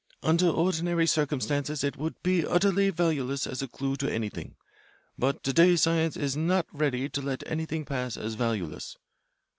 Under ordinary circumstances it would be utterly valueless as a clue to anything. But to day science is not ready to let anything pass as valueless.